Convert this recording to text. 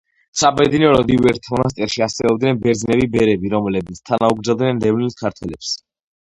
საბედნიეროდ, ივერთა მონასტერში არსებობდნენ ბერძნები ბერები, რომლებიც თანაუგრძნობდნენ დევნილ ქართველებს.